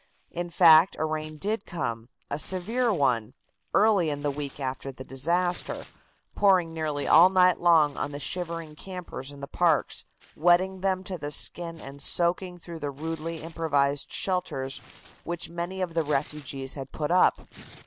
In fact, a rain did come, a severe one, early in the week after the disaster, pouring nearly all night long on the shivering campers in the parks, wetting them to the skin and soaking through the rudely improvised shelters which many of the refugees had put up.